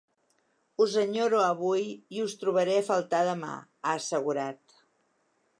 Us enyoro avui i us trobaré a faltar demà, ha assegurat.